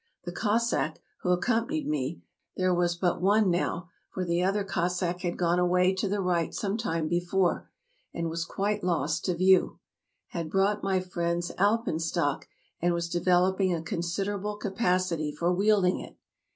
The Cossack who accompanied me — there was but one now, for the other Cossack had gone away to the right some time before, and was quite lost to view — had brought my friend's alpenstock, and was de veloping a considerable capacity for wielding it.